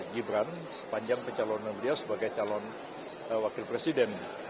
gibrane sepanjang kecalonan dia sebagai calon wakil presiden